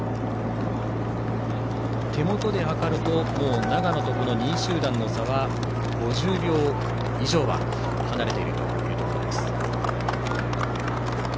手元で計ると長野と２位集団の差は５０秒以上離れているということです。